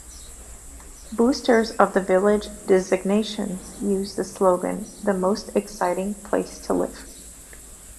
Boosters of the village designation use the slogan The most exciting place to live.